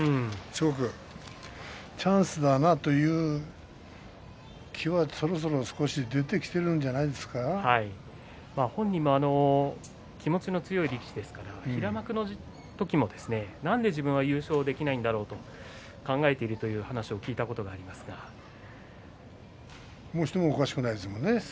すごくチャンスだなという気は少し出てきているんじゃない本人も気持ちの強い力士ですから平幕の時も、なんで自分は優勝できないんだろうと考えているという話を聞いたこともう、してもおかしくないよね。